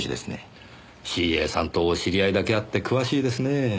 ＣＡさんとお知り合いだけあって詳しいですねぇ。